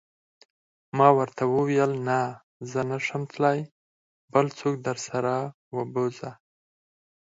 ما ورته وویل: نه، زه نه شم تلای، بل څوک درسره و بوزه.